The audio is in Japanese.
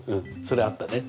それあったね。